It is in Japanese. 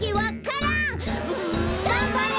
がんばれ！